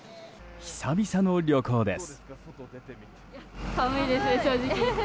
久々の旅行です。